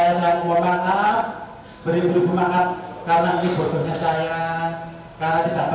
saya mohon maaf beri beri beri maaf karena ini bodohnya saya